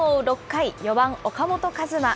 ６回、４番岡本和真。